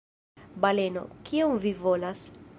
Baleno: "Kion vi volas?"